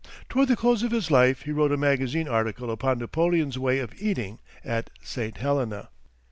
Toward the close of his life, he wrote a magazine article upon Napoleon's way of eating at St. Helena.